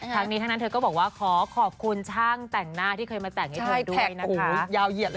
ทั้งนี้ทั้งนั้นเธอก็บอกว่าขอขอบคุณช่างแต่งหน้าที่เคยมาแต่งให้เธอด้วยนะคะ